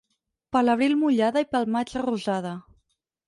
Per l'abril mullada i pel maig rosada.